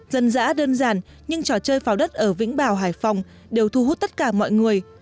dân dã đơn giản nhưng trò chơi pháo đất ở vĩnh bảo hải phòng đều thu hút tất cả mọi người